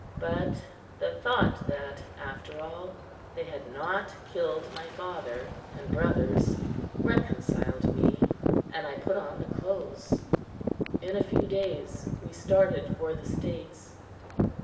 But the thought that, after all, they had not killed my father and brothers, reconciled me, and I put on the clothes. In a few days we started for the States.